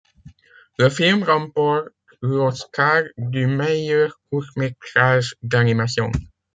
Le film remporte l'Oscar du meilleur court-métrage d'animation.